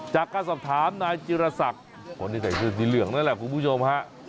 จากการสอบถามนายจิรศักดิ์คนที่ใส่เสื้อสีเหลืองนั่นแหละคุณผู้ชมฮะ